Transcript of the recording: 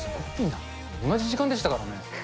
同じ時間でしたからね。